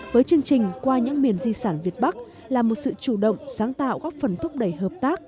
với chương trình qua những miền di sản việt bắc là một sự chủ động sáng tạo góp phần thúc đẩy hợp tác